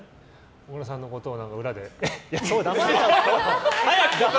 小倉さんのことを裏で。